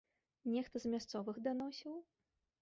Нехта з мясцовых даносіў?